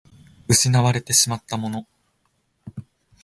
失われてしまったもの